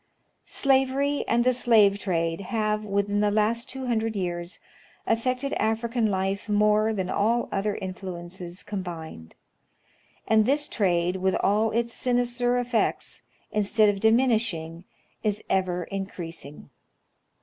Slavery and the slave trade have, within the last two hundred years, affected African life more than all other influences com bined ; and this trade, with all its sinister effects, instead of diminishing, is ever increasing.